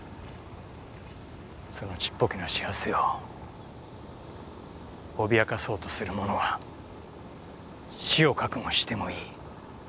そのちっぽけな幸せを脅かそうとするものは死を覚悟してもいい。